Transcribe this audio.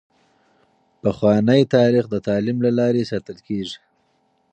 پخوانی تاریخ د تعلیم له لارې ساتل کیږي.